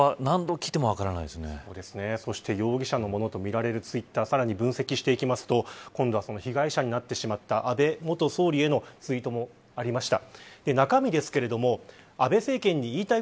それは何度聞いてもそして容疑者のものとみられるツイッターをさらに分析していくと今度は被害者になってしまった安倍元総理へのツイートもありました。